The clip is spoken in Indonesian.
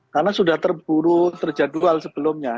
karena sudah terburu terjadwal sebelumnya